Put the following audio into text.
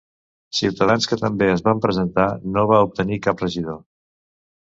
Ciutadans que també es va presentar no va obtenir cap regidor.